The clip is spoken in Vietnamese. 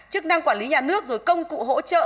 chức năng quản lý nhà nước rồi công cụ hỗ trợ